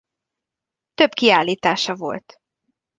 Több kiállítása volt.